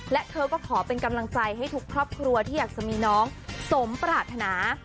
และเธอก็ขอเป็นกำลังใจให้ทุกครอบครัวที่อยากจะมีน้องสมปรารถนา